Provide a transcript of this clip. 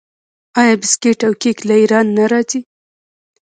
آیا بسکیټ او کیک له ایران نه راځي؟